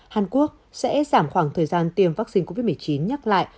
hàn quốc sẽ giảm khoảng thời gian tiêm vaccine covid một mươi chín nhắc lại